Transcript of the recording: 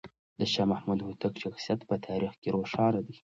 د شاه محمود هوتک شخصیت په تاریخ کې روښانه دی.